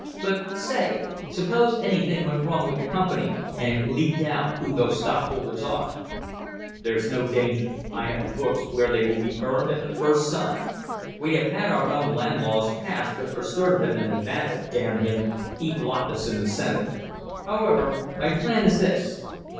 But say, suppose anything went wrong with the company and it leaked out who those stockholders are?" "There's no danger. I have the books where they will be burned at the first sign. We'd have had our own land laws passed but for Sturtevant of Nevada, damn him. He blocked us in the Senate. However, my plan is this."